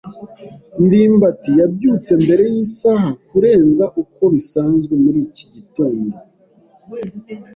ndimbati yabyutse mbere yisaha kurenza uko bisanzwe muri iki gitondo.